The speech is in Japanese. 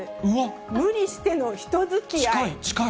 無理しての人づきあい。